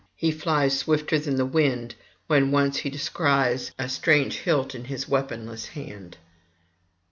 He flies swifter than the wind, when once he descries a strange hilt in his weaponless hand.